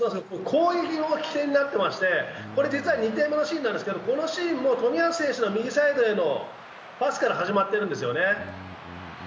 攻撃の起点になってまして、これ２点目のシーンなんですけど、このシーンも冨安選手の右サイドのパスから始まっているんですね。